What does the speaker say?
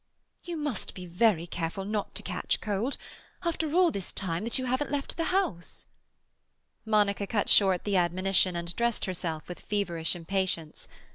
"You must be very careful not to catch cold. After all this time that you haven't left the house—" Monica cut short the admonition and dressed herself with feverish impatience.